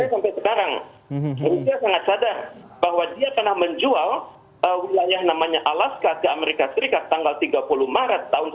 tapi sampai sekarang rusia sangat sadar bahwa dia pernah menjual wilayah namanya alaska ke amerika serikat tanggal tiga puluh maret tahun seribu delapan ratus enam puluh tujuh